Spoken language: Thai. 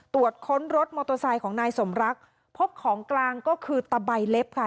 ตรวจค้นรถมอเตอร์ไซค์ของนายสมรักพบของกลางก็คือตะใบเล็บค่ะ